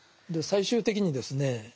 最終的にですね